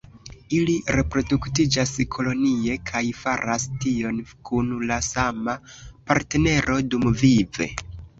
Ili reproduktiĝas kolonie, kaj faras tion kun la sama partnero dumvive.